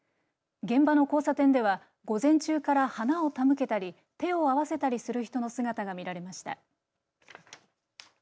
現場の交差点では、午前中から花を手向けたり手を合わせたりする人の姿が見られました。